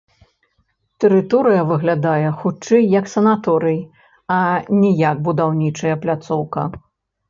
Тэрыторыя выглядае, хутчэй, як санаторый, а не як будаўнічая пляцоўка.